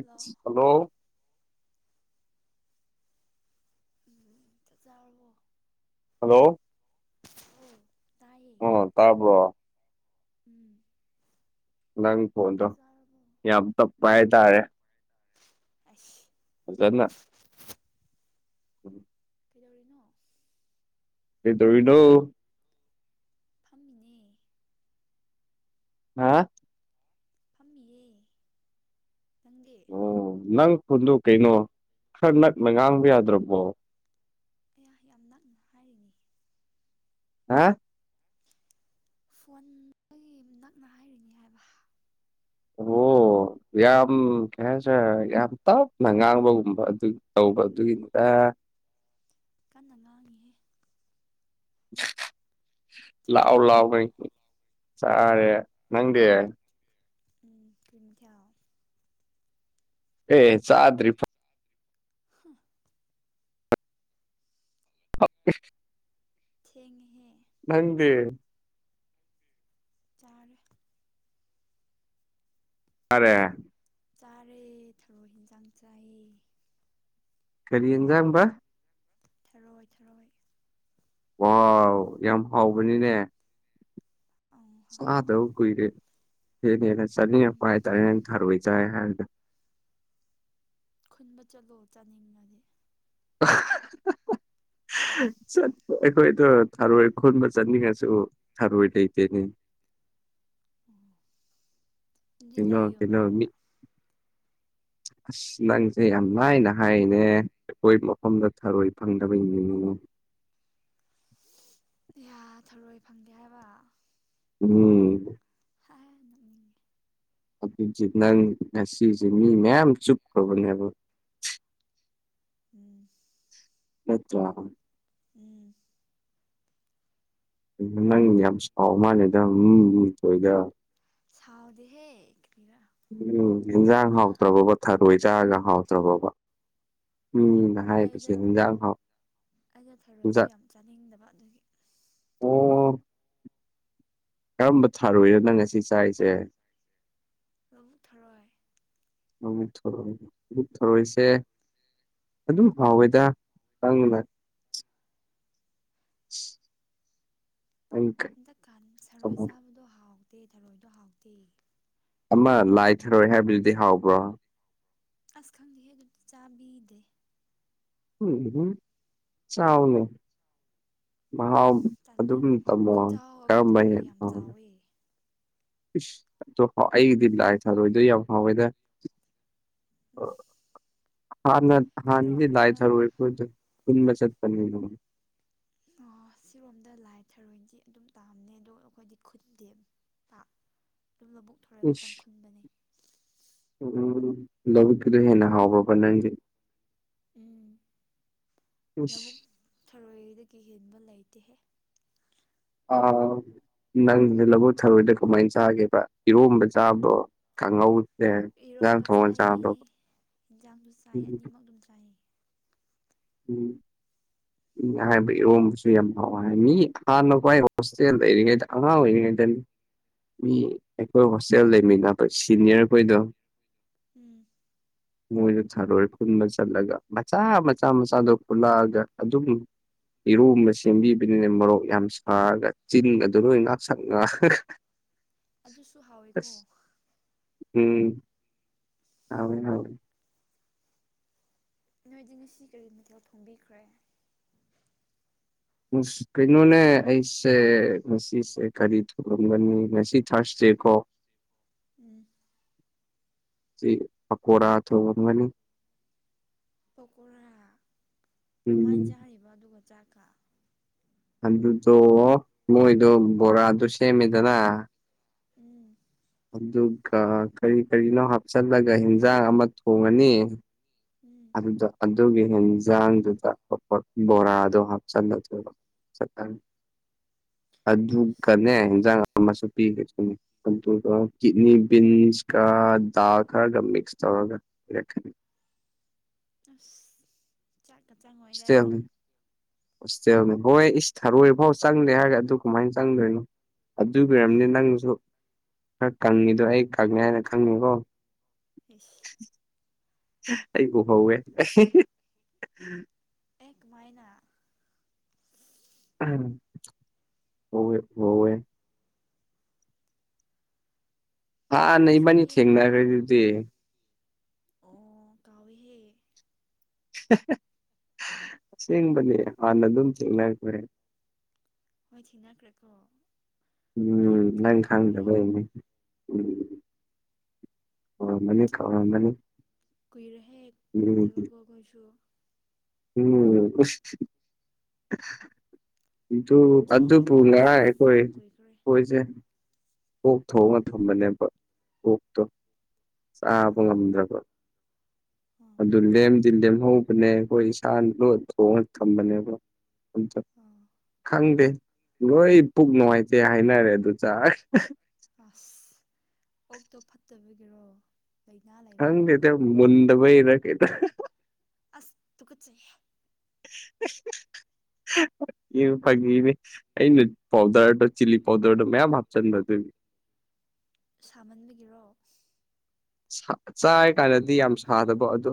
Hello hello ꯎꯝ ꯆꯥꯛ ꯆꯔꯕꯣ ꯍꯜꯂꯣ ꯑꯣ ꯇꯌꯦ ꯇꯥꯔꯕꯣ ꯎꯝ ꯅꯪ ꯐꯣꯟꯗꯣ ꯆꯥꯛ ꯆꯥꯔꯕꯣ ꯌꯥꯝ ꯇꯞꯄ ꯍꯥꯏꯇꯥꯔꯦ ꯑꯁ ꯑꯗꯨꯅ ꯎꯔꯤ [unintelligible] ꯀꯩꯗꯧꯔꯤꯅꯣ ꯀꯩꯗꯧꯔꯤꯅꯣ ꯐꯝꯃꯤꯅꯦ ꯍꯥ ꯐꯝꯃꯤꯌꯦ ꯅꯪꯗꯦ ꯑꯣ ꯅꯪ ꯈꯨꯨꯟꯗ ꯀꯩꯅꯣ ꯈꯔ ꯅꯛꯅ ꯉꯥꯡꯕ ꯌꯥꯗ꯭ꯔꯕꯣ ꯑꯩꯍ ꯌꯥꯝ ꯅꯛꯅ ꯍꯥꯏꯔꯤꯅꯤ ꯍꯥ ꯐꯣꯟ ꯅꯛꯅ ꯍꯥꯏꯔꯤꯅꯦ ꯍꯥꯏꯕ ꯑꯣ ꯌꯥꯝ ꯀꯩ ꯍꯥꯏꯁꯔꯦ ꯌꯥꯝ ꯇꯞꯅ ꯉꯥꯡꯕꯒꯨꯝꯕ ꯑꯗꯨ ꯇꯧꯕ ꯑꯗꯨꯒꯤꯗꯨꯗ ꯀꯟꯅ ꯉꯥꯡꯉꯤꯍꯦ ꯆꯥꯛ ꯂꯥꯛꯑꯣ ꯆꯥꯔꯕꯣ ꯂꯥꯛꯑꯣ ꯅꯣꯏ ꯆꯥꯔꯦ ꯅꯪꯗꯦ ꯎꯝ ꯀ꯭ꯔꯤ ꯃꯊꯦꯜ ꯑꯦ ꯆꯗ꯭ꯔꯤ ꯐ ꯍꯪ ꯑꯣꯀꯦ ꯊꯦꯡꯉꯦꯍꯦ ꯅꯪꯗꯦ ꯆꯔꯦ ꯐꯔꯦ ꯆꯥꯔꯦ ꯊꯔꯣꯏ ꯍꯟꯁꯥꯡ ꯆꯥꯏꯌꯦ ꯀꯔꯤ ꯌꯦꯖꯝꯕ ꯊꯔꯣꯏ ꯊꯔꯣꯏ ꯋꯥ ꯌꯥꯝ ꯍꯥꯎꯕꯅꯤꯅꯦ ꯑꯪ ꯍꯥꯎꯋꯦ ꯆꯥꯗꯕ ꯀꯨꯏꯔꯦ ꯍꯦꯟꯅ ꯍꯦꯟꯅ ꯎꯝ ꯆꯠꯅꯤꯡꯉꯛꯄ ꯀꯥꯏ ꯇꯔꯦ ꯊꯥꯔꯣꯏ ꯆꯥꯏ ꯍꯥꯏꯔ ꯈꯨꯟꯕ ꯆꯠꯂꯣ ꯆꯥꯅꯤꯡꯉꯗꯤ [inaudible] ꯑꯩꯈꯣꯏꯗ ꯊꯥꯔꯣꯏ ꯈꯨꯟꯕ ꯆꯠꯅꯤꯡꯉꯁꯨ ꯊꯥꯔꯣꯏ ꯂꯩꯇꯦꯅꯦ ꯎꯝ ꯅꯪꯗꯤ ꯀꯩꯅ ꯂꯩꯌꯣ ꯀꯩꯅ ꯃꯤ ꯕꯖꯥꯔꯗ ꯑꯁ ꯅꯪꯁꯩ ꯌꯥꯝꯃꯥꯏꯅ ꯍꯥꯏꯅꯦ ꯑꯩꯈꯣꯏ ꯃꯐꯝꯗ ꯊꯔꯣꯏ ꯐꯪꯗꯕ ꯏꯅꯤ ꯌꯥꯌꯥ ꯊꯔꯣꯏ ꯐꯪꯗꯦ ꯍꯥꯏꯕ ꯎꯝ ꯍ ꯍ ꯃꯤꯅꯦ ꯑꯗꯨ ꯅꯪ ꯉꯁꯤꯁꯤꯦ ꯃꯤ ꯃꯌꯥꯝ ꯆꯨꯞꯈꯅꯦꯕꯣ ꯎꯝ ꯆꯠꯆ ꯎꯝ ꯅꯪ ꯌꯥꯝ ꯁꯥꯎ ꯃꯥꯜꯦꯗꯊꯣꯏꯗ ꯁꯥꯎꯗꯦ ꯍꯦ ꯀ ꯈꯔ ꯎꯝ ꯏꯟꯖꯥꯡ ꯍꯥꯎꯇ꯭ꯔꯕꯕ ꯊꯔꯣꯏ ꯆꯥꯔꯒ ꯍꯥꯎꯇ꯭ꯔꯕꯕ ꯎꯝ ꯑꯩꯅ ꯑꯩꯅ ꯊꯔꯣꯏꯗꯣ ꯍꯦꯟꯖꯥꯡ ꯌꯥꯝ ꯆꯥꯅꯤꯡꯗꯕ ꯑꯗꯨꯒꯤ ꯑꯣ ꯀꯔꯝꯕ ꯊꯥꯔꯨꯏꯅꯣ ꯅꯪ ꯉꯁꯤ ꯆꯥꯏꯔꯤꯁꯦ ꯂꯧꯕꯨꯛ ꯊꯔꯣꯏ ꯅꯨꯃꯤꯠ ꯊꯔꯣꯏ ꯅꯨꯃꯤꯠ ꯊꯔꯣꯏꯁꯦ ꯎ ꯑꯗꯨꯝ ꯍꯥꯎꯋꯦꯗꯪꯅ [unintelligible] ꯍꯟꯗꯛ ꯀꯥꯟ ꯁꯔꯣꯏ ꯆꯥꯕꯗꯣ ꯍꯥꯎꯇꯦ ꯊꯔꯣꯏꯗꯣ ꯍꯥꯎꯇꯦ ꯑꯃ ꯂꯥꯏꯊꯔꯣꯏ ꯍꯥꯏꯕꯗꯨꯗꯤ ꯍꯥꯎꯕ꯭ꯔꯣ ꯑꯁ ꯈꯪꯗꯦꯍꯦ ꯑꯗꯨꯗꯤ ꯆꯥꯕꯤꯗꯦ ꯎꯝ ꯍꯝ ꯆꯥꯎꯅꯦ ꯃꯍꯥꯎ ꯇꯜꯂꯦ ꯑꯗꯨꯝ ꯇꯝꯃꯣ ꯈꯨꯠꯆꯥꯎ ꯑꯃ ꯀꯔꯝꯕ ꯇꯧꯋꯦ ꯌꯥꯝ ꯍꯦꯟꯂꯤꯅꯣ ꯆꯥꯎꯋꯦ ꯢꯁ ꯑꯩꯒꯤꯗꯤ ꯂꯥꯢ ꯊꯔꯣꯏꯗꯣ ꯌꯥꯝ ꯍꯥꯎꯢꯗ ꯎꯝ ꯍꯥꯟꯅ ꯍꯥꯟꯅꯗꯤ ꯂꯥꯏ ꯁꯤꯔꯣꯝꯗ ꯊꯥꯔꯣꯢ [unintelligible] ꯈꯨꯟꯕ ꯆꯠꯄꯅꯤ ꯑꯗꯨ ꯁꯤꯔꯣꯝꯗ ꯂꯥꯏ ꯊꯔꯣꯏꯗꯤ ꯑꯗꯨꯝ ꯇꯥꯝꯅꯦ ꯑꯗꯣ ꯑꯩꯈꯣꯏꯗꯤ ꯈꯨꯟꯗꯦ ꯄꯥꯛ ꯂꯧꯕꯨꯛ ꯊꯥꯔꯣꯢ ꯈꯛꯇ ꯈꯨꯟꯕꯅꯦ ꯎꯝ ꯎꯝ ꯂꯧꯕꯨꯛꯀꯤꯗꯣ ꯍꯦꯟꯅ ꯍꯥꯎꯕ꯭ꯔꯕ ꯅꯪꯗꯤ ꯎꯝ ꯏꯁ ꯂꯧꯕꯨꯛ ꯊꯔꯣꯏꯗꯒꯤ ꯍꯦꯟꯕ ꯂꯩꯇꯦꯍꯦ ꯑꯥ ꯅꯪꯗꯤ ꯂꯧꯕꯨꯛ ꯊꯔꯣꯏꯗꯨ ꯀꯃꯥꯏꯅ ꯆꯥꯒꯦꯕ ꯏꯔꯣꯝꯕ ꯆꯥꯕꯣ ꯀꯥꯡꯉꯧ ꯏꯔꯣꯟꯕ ꯆꯥꯏꯌꯦ ꯢꯟꯖꯥꯡꯁꯨ ꯆꯥꯏ ꯑꯅꯤꯃꯛ ꯑꯗꯨꯝ ꯆꯥꯏꯌꯦ ꯎꯝ ꯃꯤꯅ ꯍꯥꯏꯕ ꯏꯔꯣꯝꯕꯁꯨ ꯌꯥꯝ ꯍꯥꯎꯋꯦ ꯍꯥꯏ ꯃꯤ ꯍꯥꯟꯅ ꯋꯥꯏ ꯍꯣꯁꯇꯦꯜ ꯂꯩꯔꯤꯉꯩꯗ ꯑꯉꯥꯡ ꯑꯣꯢꯔꯤꯉꯩꯗꯅꯤ ꯃꯤ ꯑꯩꯈꯣꯏ ꯍꯣꯁꯇꯦꯜ ꯂꯩꯃꯤꯟꯅꯕ ꯁꯤꯅꯤꯌꯔ ꯈꯣꯏꯗꯣ ꯎꯝ ꯃꯣꯏꯁꯨ ꯁꯥꯔꯣꯏ ꯈꯨꯟꯗ ꯆꯠꯂꯒ ꯃꯆꯥ ꯃ ꯃꯥꯆ ꯃꯆꯥꯥꯗꯣ ꯄꯨꯜꯂꯥꯛꯑꯒ ꯑꯗꯨꯝ ꯏꯔꯣꯟꯕ ꯁꯦꯝꯕꯤꯕꯅꯤꯅ ꯃꯣꯔꯣꯛ ꯌꯥꯝ ꯁꯥꯔꯒ ꯆꯤꯟꯒꯥꯡꯗꯨ ꯂꯣꯏ ꯉꯥꯛꯁꯛ ꯉꯥꯡꯑꯒ ꯑꯗꯨꯁꯨ ꯍꯥꯎꯢꯀꯣ ꯎꯝ ꯍꯥꯎꯏ ꯍꯥꯎꯏ ꯅꯣꯏꯗꯤ ꯉꯁꯤ ꯀꯔꯤ ꯃꯊꯦꯜ ꯊꯣꯡꯕꯤꯈ꯭ꯔꯦ ꯀꯩꯅꯣꯅꯦ ꯑꯩꯁꯦ ꯉꯁꯤꯁꯦ ꯀꯔꯤ ꯊꯣꯡꯔꯝꯒꯅꯤ ꯉꯁꯤ ꯊꯥ꯭ꯔꯁꯗꯦ ꯀꯣ ꯎꯝ ꯑꯁꯤ ꯄꯀꯣꯔꯥ ꯊꯣꯡꯉꯝꯒꯅꯤ ꯄꯀꯣꯔꯥ ꯀꯃꯥꯏꯅ ꯎꯝ ꯆꯥꯔꯤꯕ ꯑꯗꯨꯒ ꯆꯥꯛꯀ ꯑꯗꯨꯗꯣ ꯃꯣꯏꯗꯣ ꯕꯣꯔꯥꯗꯣ ꯁꯦꯝꯃꯦꯗꯅ ꯎꯝ ꯑꯗꯨꯒ ꯀꯔꯤ ꯀꯔꯤꯅꯣ ꯍꯥꯞꯆꯜꯂꯒ ꯌꯦꯟꯖꯥꯡ ꯑꯃ ꯊꯣꯡꯉꯅꯤ ꯎꯝ ꯑꯗꯨꯒꯤ ꯍꯦꯟꯖꯥꯡꯗꯨꯗ ꯕꯣꯔꯥꯗꯣ ꯍꯥꯞꯆꯜꯂꯗꯣꯏꯕ ꯑꯁ ꯑꯗꯨꯒꯅꯦ ꯍꯦꯟꯖꯥꯡ ꯑꯃꯁꯨ ꯄꯤꯒꯗꯣꯢꯅꯤ ꯑꯗꯨꯒ ꯀꯤꯠꯅꯤ ꯕꯤꯟꯁꯀ ꯗꯥꯜ ꯈꯔꯒ ꯃꯤꯛꯁ ꯇꯧꯔꯒ ꯄꯤꯔꯛꯀꯅꯤ ꯑꯁ ꯆꯥꯛꯀ ꯆꯪꯉꯣꯏꯗ ꯑꯩꯗꯤ ꯁꯇꯦꯜꯅꯤ ꯍꯣꯁꯇꯦꯜꯅꯤ ꯍꯣꯏ ꯏꯁ ꯊꯔꯣꯏ ꯐꯥꯎ ꯆꯪꯗꯦ ꯍꯥꯏꯔꯒ ꯑꯗꯨ ꯀꯃꯥꯏꯅ ꯆꯪꯗꯣꯏꯅꯣ ꯑꯗꯨ ꯑꯣꯏꯔꯝꯅꯤ ꯅꯪꯁꯨ ꯈꯔ ꯀꯪꯉꯤꯗꯣ ꯑꯩ ꯀꯪꯉꯦ ꯍꯥꯏꯅ ꯈꯪꯉꯦꯀꯣ ꯢꯁ ꯑꯩ ꯎꯍꯧꯋꯦ ꯑꯦ ꯀꯃꯥꯢꯅ ꯎꯍꯧꯋꯦ ꯎꯍꯧꯋꯦ ꯍꯥꯟꯅ ꯉꯁꯤꯗꯤ ꯏꯕꯥꯅꯤ ꯌꯨꯝ ꯂꯩꯕ꯭ꯔꯣ ꯑꯗꯨꯝ ꯊꯦꯡꯅꯈ꯭ꯔꯦꯗꯨꯗꯤ ꯑꯣ ꯀꯥꯎꯏ ꯍꯦ ꯑꯁꯦꯡꯕꯅꯦ ꯍꯥꯟꯅ ꯑꯗꯨꯝ ꯊꯦꯡꯅꯈ꯭ꯔꯦ ꯍꯣꯏ ꯊꯦꯡꯅꯈ꯭ꯔꯦꯀꯣ ꯑꯩ ꯎꯝ ꯑꯃꯨꯛ ꯅꯪ ꯀꯥꯎꯈ꯭ꯔꯦ ꯈꯪꯗꯕꯩꯅꯤ ꯎꯝ ꯀꯧꯔꯃꯅꯤ ꯀꯧꯔꯃꯅꯤ ꯀꯨꯏꯔꯦ ꯍꯦ ꯄꯨꯟꯗꯕꯀꯣ ꯑꯈꯣꯏꯁꯨ ꯎꯝ ꯑꯗꯨ ꯑꯗꯨꯄꯨ ꯆꯍꯤꯒ ꯑꯁ ꯉꯔꯥꯡ ꯑꯀꯣꯏ ꯌꯥꯝ ꯀꯨꯏꯈ꯭ꯔꯦ ꯑꯈꯣꯏꯁꯦ ꯑꯣꯛ ꯊꯣꯡꯉ ꯊꯝꯕꯅꯦꯕ ꯑꯣꯛꯇꯣ ꯆꯥꯕ ꯑꯥ ꯉꯝꯗ꯭ꯔꯕ ꯑꯥ ꯑꯗꯨ ꯂꯦꯝ ꯇꯤꯟ ꯂꯦꯝ ꯍꯧꯕꯅꯦ ꯑꯩꯈꯣꯏ ꯏꯁꯥꯅ ꯊꯣꯡꯑ ꯊꯝꯕꯅꯦꯕ ꯑꯗꯨꯗꯥ ꯑꯥ ꯈꯪꯗꯦ ꯂꯣꯏ ꯄꯨꯛ ꯅꯨꯡꯉꯥꯏꯇꯦ ꯍꯥꯏꯅꯔꯦ ꯑꯗꯨ ꯆꯥ ꯑꯁ ꯑꯣꯛꯇꯣ ꯐꯠꯇꯕꯒꯤꯔꯣ ꯂꯥꯏꯅꯥ ꯂꯩꯕꯒꯤꯔꯣ ꯈꯪꯗꯦꯗ ꯃꯨꯟꯗꯕꯩꯔ ꯀꯩꯗ [unintelligible] ꯑꯁ ꯇꯨꯀꯠꯆꯩꯍꯦ [unintelligible] ꯐꯒꯤꯅꯤ ꯐꯒꯤꯅꯤ ꯑꯩꯅ ꯄꯥꯎꯗꯔꯗꯣ ꯆꯤꯂꯤ ꯄꯥꯎꯗꯔ ꯃꯌꯥꯝ ꯍꯥꯞꯆꯟꯕ ꯑꯗꯨꯒꯤ ꯁꯥꯃꯟꯕꯒꯤꯔꯣ ꯆꯥꯢ ꯀꯥꯟꯗꯗꯤ ꯌꯥꯝ ꯁꯥꯗꯕ ꯑꯗꯣ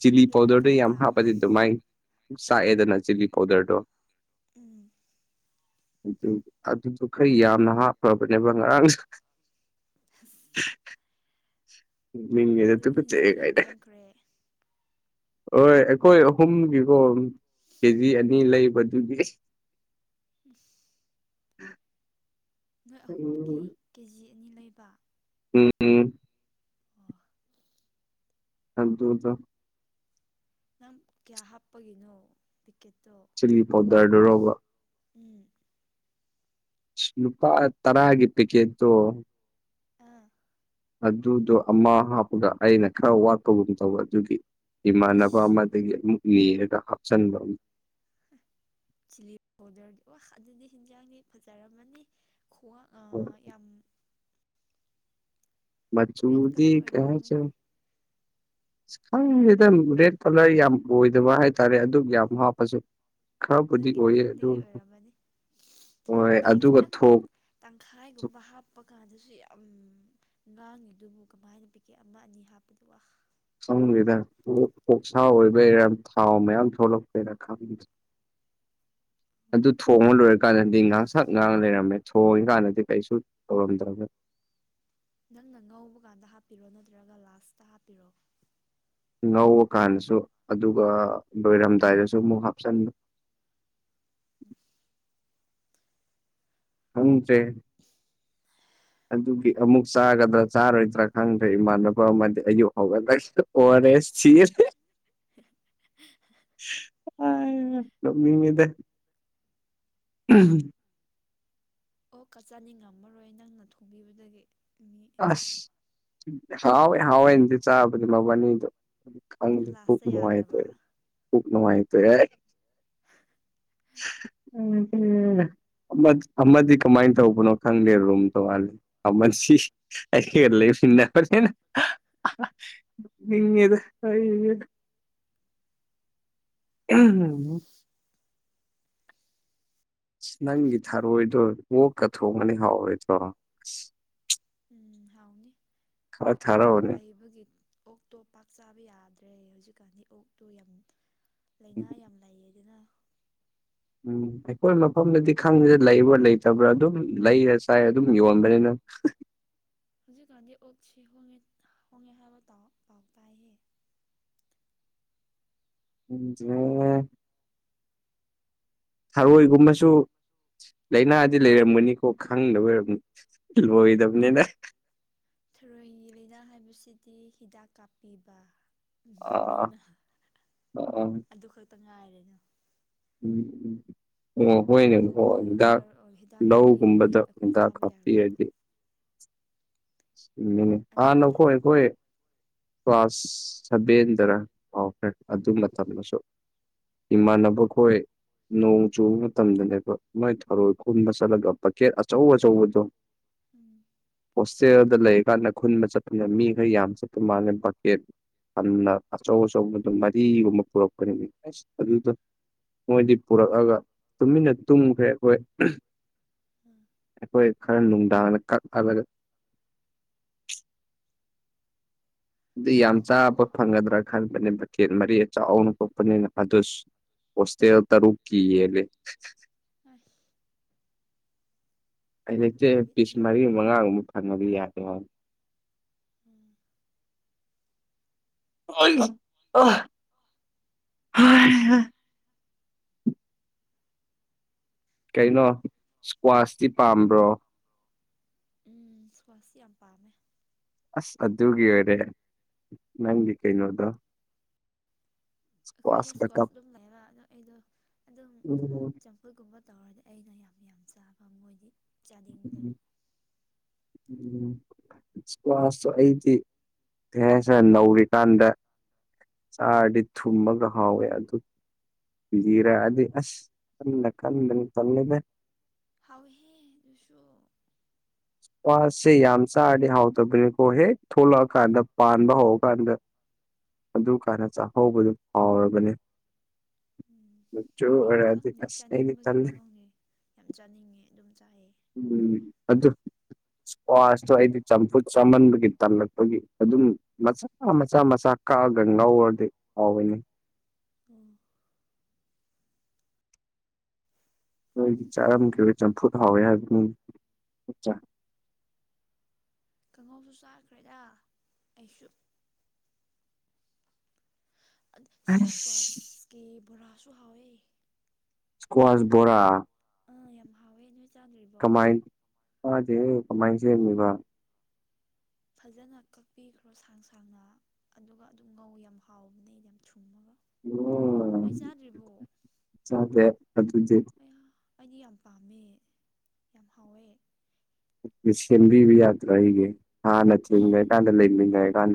ꯆꯤꯂꯤ ꯄꯥꯎꯗꯔꯗꯣ ꯌꯥꯝ ꯂꯣꯏꯔꯀꯥꯟꯗ ꯍꯥꯞꯄꯗꯤ ꯑꯗꯨꯃꯥꯏ ꯆꯥꯛꯑꯦꯗꯅ ꯆꯤꯂꯤ ꯄꯥꯎꯗꯔꯗꯣ ꯎꯝ ꯑꯗꯨ ꯑꯗꯨꯗꯨ ꯈꯔ ꯌꯥꯝꯅ ꯍꯥꯞꯄꯈ꯭ꯔꯕꯅꯦꯕ ꯉꯔꯥꯡ [inaudible] ꯃꯤꯡꯒꯤꯔ ꯑꯗꯨꯗꯤ ꯇꯨꯒꯠꯆꯩ ꯍꯤꯟꯖꯥꯡ ꯌꯥꯝ ꯀꯥꯏꯅ ꯂꯦꯝꯈ꯭ꯔꯦ ꯍꯣꯏ ꯑꯩꯈꯣꯏ ꯑꯍꯨꯝꯒꯤꯀꯣ ꯀꯦꯖꯤ ꯑꯅꯤ ꯂꯩꯕꯗꯨꯒꯤ ꯅꯣꯏ ꯑꯍꯨꯝꯒꯤ ꯎꯝ ꯀꯦ ꯖꯤ ꯑꯅꯤ ꯂꯩꯕ ꯎꯝ ꯋꯥ ꯑꯗꯨꯗ ꯅꯪ ꯀꯌꯥ ꯍꯥꯞꯄꯒꯤꯅꯣ ꯇꯤꯛꯀꯦꯠꯇꯣ ꯆꯤꯂꯤ ꯄꯥꯎꯗꯔꯗꯨꯔꯣꯕ ꯎꯝ ꯂꯨꯄꯥ ꯇꯔꯥꯒꯤ ꯄꯦꯀꯦꯠꯇꯣ ꯑꯥ ꯑꯗꯨꯗꯣ ꯑꯃꯥ ꯍꯥꯞꯄꯒ ꯑꯩꯅ ꯈꯔ ꯋꯥꯠꯄꯒꯨꯝ ꯇꯧꯕ ꯑꯗꯨꯒꯤ ꯏꯃꯥꯟꯅꯕ ꯑꯁ ꯑꯃꯥ ꯗꯒꯤ ꯑꯃꯨꯛ ꯅꯤꯔꯒ ꯍꯥꯞꯆꯟꯕ ꯆꯤꯂꯤ ꯄꯥꯎꯗꯔꯗꯤ ꯑꯣ ꯑꯗꯨꯗꯤ ꯍꯤꯟꯖꯥꯡꯗꯤ ꯐꯖꯔꯝꯃꯥꯅꯤ ꯈꯨꯋꯥꯥꯛ ꯑꯃꯨꯛ꯫ ꯑꯥ ꯌꯥꯝ ꯔꯦꯠ ꯃꯆꯨꯗꯤ ꯀꯂꯔ ꯀꯩ ꯑꯣꯏꯔꯝꯃꯅꯤ ꯍꯥꯏꯁꯤꯔꯥ ꯈꯪꯗꯗꯦꯗꯥ ꯔꯦꯠ ꯀꯂꯔ ꯌꯥꯝ ꯑꯣꯏꯗꯕ ꯍꯥꯏꯇꯥꯔꯦ ꯑꯗꯨꯛ ꯌꯥꯝ ꯍꯥꯞꯄꯁꯨ ꯈꯔꯕꯨꯗꯤ ꯅꯪꯒꯤ ꯑꯣꯏꯌꯦ ꯑꯗꯨ ꯃꯤꯠꯇꯒꯤ ꯑꯣꯏꯔꯝꯃꯅꯤ ꯍꯣꯏ ꯄꯤꯀꯦꯠ ꯑꯗꯨꯒ ꯈꯤꯇꯪ ꯊꯣꯛ ꯇꯪꯈꯥꯏꯒꯨꯝꯕ ꯍꯥꯞꯄ ꯀꯥꯟꯗꯁꯨ ꯌꯥꯝ ꯉꯥꯡꯉꯤꯗꯨꯕꯨ ꯀꯃꯥꯏꯅ ꯄꯤꯀꯦꯠ ꯑꯃ ꯑꯅꯤ ꯍꯥꯞꯄꯗꯤ ꯋꯥ ꯈꯪꯗꯦꯗ ꯑꯣꯛꯁꯥ ꯑꯣꯏꯕꯩꯔꯥ ꯊꯥꯎ ꯃꯌꯥꯝ ꯊꯣꯛꯂꯛꯄꯩꯔ ꯈꯪꯗꯦ ꯑꯗꯨ ꯊꯣꯡꯉ ꯂꯣꯢ ꯀꯥꯟꯗꯗꯤ ꯉꯥꯡꯁꯛ ꯉꯥꯡ ꯂꯩꯔꯝꯃꯦ ꯊꯣꯡꯉꯤꯀꯥꯟꯗꯗꯤ ꯀꯩꯁꯨ ꯇꯧꯔꯝꯗꯕꯥ ꯅꯪꯅ ꯉꯧꯕ ꯀꯥꯟꯗ ꯍꯥꯞꯄꯤꯔꯣ ꯅꯠꯇ꯭ꯔꯒ ꯂꯥꯁꯇ ꯍꯥꯞꯄꯤꯔꯣ ꯉꯧꯕꯀꯥꯟꯗꯁꯨ ꯑꯗꯨꯒ ꯂꯣꯏꯔꯝꯗꯥꯏꯗꯁꯨ ꯑꯃꯨꯛ ꯍꯥꯞꯆꯟꯕ ꯎꯝ ꯈꯪꯗ꯭ꯔꯦ ꯑꯗꯨꯒꯤ ꯑꯃꯨꯛ ꯆꯥꯒꯗ꯭ꯔꯥ ꯆꯥꯔꯣꯏꯗ꯭ꯔꯥ ꯈꯪꯗ꯭ꯔꯦ ꯏꯃꯥꯟꯅꯕ ꯑꯃꯗꯤ ꯑꯌꯨꯛ ꯍꯧꯒꯠꯂꯒꯥ ꯑꯣꯑꯥꯔꯔꯦꯁ ꯊꯤꯔꯦ [unintelligible] ꯑꯥ ꯅꯣꯛꯅꯤꯡꯉꯤꯗꯥ ꯎꯝ ꯑꯣꯛꯀꯥ ꯆꯥꯅꯤꯡ ꯉꯝꯃꯔꯣꯏ ꯅꯪꯅ ꯊꯣꯡꯕꯤꯕꯗꯒꯤ ꯑꯁ ꯍꯥꯎꯋꯦ ꯍꯥꯎꯋꯦꯅꯗꯤ ꯆꯥꯕꯗꯤ ꯃꯕꯥꯅꯤꯗꯣ ꯑꯗꯨ ꯈꯪꯗꯦ ꯂꯥꯁꯇ ꯄꯨꯛꯄꯨ ꯅꯨꯡꯉꯥꯏꯇꯦ ꯌꯥꯗ꯭ꯔꯕ ꯄꯨꯛꯅꯨꯉꯥꯏꯇꯦ [inaudible] ꯑꯃꯥꯗꯤ ꯀꯃꯥꯏꯅ ꯇꯧꯕꯅꯣ ꯈꯪꯗꯦ ꯔꯨꯝ ꯇꯣꯉꯥꯜꯂꯤ ꯑꯃꯥꯗꯤ ꯑꯩꯒꯥ ꯂꯩꯕꯥ ꯁꯤꯅ ꯐꯖꯥꯅ ꯅꯣꯛꯅꯤꯡꯉꯤꯗꯥ [inaudible] ꯎꯝ [inaudible] ꯅꯪꯒꯤ ꯊꯥꯔꯣꯏꯗꯣ ꯑꯣꯛꯀꯥ ꯊꯣꯡꯉꯥꯗꯤ ꯍꯥꯎꯔꯣꯏꯗꯔꯣ ꯎꯝ ꯍꯥꯎꯅꯤ ꯈꯔ ꯈꯣꯢ ꯑꯣꯛ ꯊꯥꯔꯛꯑꯣꯅꯦ ꯂꯩꯕꯒꯤ ꯑꯣꯛꯇꯣ ꯄꯥꯛ ꯆꯥꯕ ꯌꯥꯗ꯭ꯔꯦ ꯍꯧꯖꯤꯛꯀꯥꯟꯗꯤ ꯑꯣꯛꯇꯣ ꯌꯥꯝ ꯂꯥꯏꯅꯥ ꯌꯥꯝ ꯂꯩꯌꯦꯗꯥꯅ ꯎꯝ ꯑꯩꯈꯣꯏ ꯃꯐꯝꯗꯗꯤ ꯈꯪꯗꯗꯦ ꯂꯩꯕ꯭ꯔꯥ ꯂꯩꯇꯕ꯭ꯔꯥ ꯑꯗꯨꯝ ꯂꯩꯔ ꯆꯥꯏ ꯑꯗꯨꯝ ꯌꯣꯟꯕꯅꯤꯅ ꯍꯧꯖꯤꯛꯀꯥꯟꯗꯤ ꯑꯣꯛꯁꯤ ꯍꯣꯡꯉꯦ ꯍꯣꯡꯉꯦ ꯍꯥꯏꯕꯥ ꯄꯥꯎ ꯇꯥꯏꯅꯦ ꯈꯪꯗꯔꯦ ꯊꯔꯣꯏꯒꯨꯝꯕꯁꯨ ꯂꯥꯏꯅꯥꯗꯤ ꯂꯩꯔꯝꯒꯅꯤꯀꯣ ꯈꯪꯗꯕꯩ ꯑꯣꯏꯔꯝꯅꯤ ꯂꯣꯏꯗꯕꯅꯤꯅ ꯊꯔꯣꯏꯒꯤ ꯂꯥꯏꯅꯥ ꯍꯥꯏꯕꯁꯤꯗꯤ ꯍꯤꯗꯥꯛ ꯀꯥꯞꯄꯤꯕ ꯎꯝ ꯑꯥ ꯃꯤꯅ ꯑꯥ ꯑꯗꯨ ꯈꯛꯇꯥ ꯉꯥꯏꯔꯦꯅ ꯎꯝ ꯎꯝ ꯍꯣꯏꯅꯦ ꯂꯧꯗ ꯍꯤꯗꯥꯛ ꯊꯔꯣꯏ ꯍꯤꯗꯥꯛ ꯀꯥꯞꯄꯤꯕꯗꯤ ꯂꯧꯒꯨꯝꯕꯗ ꯑꯩꯈꯣꯏ ꯍꯤꯗꯥꯛ ꯆꯥꯕ ꯌꯥꯔꯣꯏꯗꯅ ꯍꯥꯞꯄꯤꯔꯥꯗꯤ ꯑꯗꯨꯅ ꯍꯥꯟꯅ ꯒꯣ ꯊꯟ ꯑꯩꯈꯣꯢ ꯀ꯭ꯂꯥꯁ ꯁꯥꯕꯦꯟꯗꯔꯥ ꯀꯥꯎꯈ꯭ꯔꯦ ꯑꯗꯨ ꯃꯇꯝꯗꯁꯨ ꯏꯃꯥꯟꯅꯕ ꯈꯣꯏ ꯅꯣꯡ ꯆꯨꯕ ꯃꯇꯝꯗꯅꯦꯕ ꯃꯣꯏ ꯊꯔꯣꯏ ꯈꯨꯟꯕꯥ ꯆꯠꯂꯒ ꯕꯥꯀꯦꯠ ꯑꯆꯧ ꯑꯆꯧꯕꯗꯣ ꯎꯝ ꯆꯦꯜꯗ ꯂꯩ ꯀꯥꯟꯗ ꯈꯨꯟꯗ ꯆꯠꯄꯗ ꯃꯤꯈꯩ ꯌꯥꯝ ꯆꯠꯄ ꯃꯥꯜꯂꯦ ꯕꯀꯦꯠ ꯊꯥꯟꯅ ꯑꯆꯧ ꯑꯆꯧꯕ ꯑꯗꯨꯝ ꯃꯔꯤꯒꯨꯝꯕ ꯄꯨꯔꯛꯄꯅꯤ ꯑꯁ ꯑꯗꯨꯗ ꯃꯣꯏꯗꯤ ꯄꯨꯔꯛꯑꯒ ꯇꯨꯃꯤꯟꯅ ꯇꯨꯝꯈ꯭ꯔꯦ ꯑꯩꯈꯣꯏ ꯑꯝ ꯍꯣꯏ ꯈꯔꯅ ꯅꯨꯡꯗꯥꯡꯗ ꯀꯛꯂꯒ ꯑꯗꯨ ꯌꯥꯝ ꯆꯥꯕ ꯐꯪꯒꯗ꯭ꯔꯥ ꯈꯟꯕꯅꯦ ꯕꯀꯦꯠ ꯃꯔꯤ ꯆꯥꯎꯅ ꯈꯣꯠꯄꯅꯤꯅ ꯑꯗꯨꯁꯨ ꯍꯣꯁꯇꯦꯜ ꯇꯔꯨꯛꯀꯤ ꯌꯦꯜꯂꯦ ꯑꯁ ꯑꯩ ꯂꯩꯆꯦ ꯑ ꯕꯤꯠ ꯄꯤꯁ ꯃꯔꯤ ꯌꯥꯏ ꯃꯉꯥꯒꯨꯝꯕ ꯐꯪꯉꯥꯗꯤ ꯌꯥꯔꯦ ꯎꯝ [inaudible] ꯀꯩꯅꯣ ꯏꯁꯀ꯭ꯋꯥꯁꯇꯤ ꯄꯥꯝꯕ꯭ꯔꯣ ꯎꯝ ꯁ꯭ꯋꯥꯁꯇꯤ ꯌꯥꯝ ꯄꯥꯝꯃꯦ ꯑꯁ ꯑꯗꯨꯒꯤ ꯑꯣꯏꯔꯦ ꯅꯪꯒꯤ ꯀꯩꯩꯅꯣꯗꯣ ꯑꯩꯈꯣꯏꯗ ꯏꯁꯀ꯭ꯋꯥꯁ ꯀꯞ ꯑꯗꯨꯝ ꯂꯩꯕ ꯑꯗꯣ ꯑꯩꯗꯣ ꯑꯗꯨꯝ ꯎꯝ ꯑꯩꯗꯨꯒꯨꯝꯕ ꯇꯧꯔꯗꯤ ꯑꯩꯅ ꯌꯥꯝ ꯌꯥꯝ ꯆꯥꯕ ꯃꯣꯏꯗꯤ ꯆꯥꯅꯤꯡꯗꯕ [unintelligible] ꯀ꯭ꯂꯥꯁꯇꯣ ꯑꯩꯗꯤ ꯀꯩ ꯍꯥꯢꯁꯤꯔꯥ ꯅꯧꯔꯤꯀꯥꯟꯗ ꯆꯥꯔꯗꯤ ꯊꯨꯝꯃꯒ ꯍꯥꯎꯋꯦ ꯑꯗꯨ ꯂꯤꯔꯛꯑꯗꯤ ꯑꯁ ꯀꯟꯅ ꯀꯟꯕꯅꯦ ꯇꯜꯂꯤꯗ ꯍꯥꯎꯏꯍꯦ ꯑꯗꯨꯁꯨ ꯋꯥꯁꯦ ꯌꯥꯝ ꯆꯥꯔꯗꯤ ꯍꯥꯎꯇꯕꯅꯤꯀꯣ ꯍꯦꯛ ꯊꯣꯛꯂꯛꯑꯀꯥꯟꯗ ꯄꯥꯟꯕ ꯍꯧꯔꯀꯥꯟꯗ ꯑꯗꯨ ꯀꯥꯟꯗ ꯆꯥꯛꯍꯧꯕꯗꯨ ꯍꯥꯎꯔꯕꯅꯦ ꯎꯝ ꯃꯆꯨ ꯑꯩꯗꯤ ꯑꯣꯏꯔꯛꯑꯗꯤ ꯈꯪꯗꯦ ꯑꯁ ꯑꯩꯗꯤ ꯆꯥꯅꯤꯡꯕꯒꯤꯔ ꯇꯜꯂꯦ ꯈꯪꯗꯦ ꯌꯥꯝ ꯆꯥꯅꯤꯡꯉꯦ ꯑꯗꯨꯝ ꯆꯥꯏꯌꯦ ꯎꯝ ꯑꯗꯨ ꯏꯁꯀ꯭ꯋꯥꯁꯇꯣ ꯑꯩꯗꯤ ꯆꯝꯐꯨꯠ ꯆꯥꯝꯃꯟꯕꯒꯤ ꯇꯜꯂꯛꯄꯒꯤ ꯑꯗꯨꯝ ꯃꯆꯥ ꯃꯆꯥ ꯃꯆꯥ ꯀꯛꯑꯒ ꯉꯥꯎꯔꯗꯤ ꯍꯥꯎꯋꯅꯦ ꯑꯣ ꯅꯣꯏꯗꯤ ꯆꯥꯔꯝꯈꯤꯔꯣꯏ ꯆꯝꯐꯨꯠ ꯍꯥꯎꯋꯦ ꯍꯥꯏꯕꯅꯤ ꯀꯥꯡꯉꯧꯁꯨ ꯆꯥꯈ꯭ꯔꯦꯗ ꯑꯩꯁꯨ ꯁꯤ ꯑꯁ ꯏꯁꯀ꯭ꯋꯥꯁꯀꯤ ꯕꯣꯔꯥꯁꯨ ꯍꯥꯎꯋꯦ ꯏꯁ꯭ꯀ꯭ꯋꯥꯁ ꯕꯣꯔꯥ ꯑꯥ ꯌꯥꯝ ꯍꯥꯎꯋꯦ ꯅꯣꯏ ꯆꯥꯗ꯭ꯔꯤꯕꯣ ꯀꯃꯥꯏꯅ ꯃꯥꯗꯦ ꯀꯃꯥꯏꯅ ꯁꯦꯝꯃꯤꯕ ꯐꯖꯅ ꯀꯛꯄꯤꯈ꯭ꯔꯣ ꯁꯥꯡ ꯁꯥꯡꯅ ꯑꯗꯨꯒ ꯑꯗꯨꯝ ꯉꯧ ꯌꯥꯝ ꯍꯥꯎꯕꯅꯦ ꯑꯩ ꯌꯥꯝ ꯊꯨꯝꯃꯒ ꯑꯣ ꯅꯣꯏ ꯆꯥꯗ꯭ꯔꯤꯕꯣ ꯆꯥꯗꯦ ꯑꯗꯨꯗ ꯑꯩ ꯑꯩꯗꯤ ꯌꯥꯝ ꯄꯥꯝꯃꯦ ꯌꯥꯝ ꯍꯥꯎꯋꯦ ꯁꯦꯝꯕꯤꯕ ꯌꯥꯗ꯭ꯔꯣ ꯑꯩꯒꯤ ꯍꯥꯟꯅ ꯊꯤꯡꯒ ꯀꯥꯟꯗ ꯂꯩꯃꯤꯟꯅꯩ ꯀꯥꯟꯗ